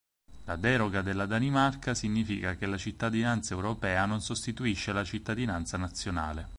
La deroga della Danimarca significa che "la cittadinanza europea non sostituisce la cittadinanza nazionale".